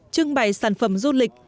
trưng bày sản phẩm du lịch